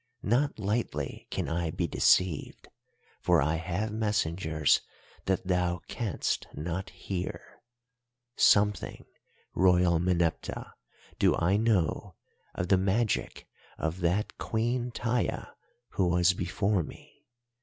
Not lightly can I be deceived, for I have messengers that thou canst not hear. Something, Royal Meneptah, do I know of the magic of that Queen Taia who was before me.